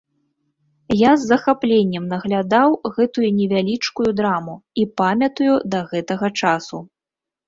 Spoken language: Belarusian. Я з захапленнем наглядаў гэтую невялічкую драму і памятаю да гэтага часу.